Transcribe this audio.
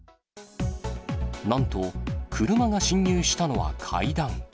なんと車が侵入したのは階段。